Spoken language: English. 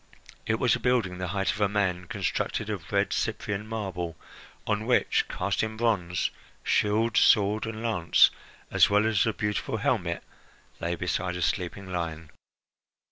It was a building the height of a man, constructed of red Cyprian marble, on which, cast in bronze, shield, sword, and lance, as well as a beautiful helmet, lay beside a sleeping lion.